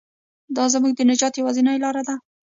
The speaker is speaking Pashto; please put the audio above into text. دا زموږ د نجات یوازینۍ لاره ده.